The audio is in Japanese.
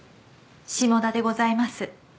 下田でございます。